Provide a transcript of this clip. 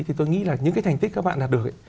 thì tôi nghĩ là những cái thành tích các bạn đạt được ấy